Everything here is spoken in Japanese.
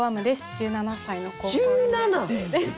１７歳の高校２年生です。